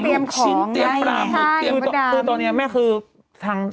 เตรียมโรคชิ้นเตรียมปลาหมู